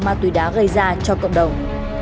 ma túy đá gây ra cho cộng đồng